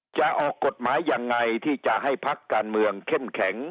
จะออกกฎหมายยังไงที่จะให้พักการเมืองเข้มแข็ง